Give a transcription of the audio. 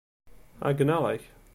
Ɛeyyneɣ-ak.